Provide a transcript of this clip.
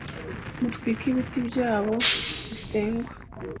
mutwike ibiti byabo bisengwa,